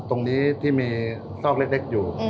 ตรงนี้ที่มีซอกเล็กอยู่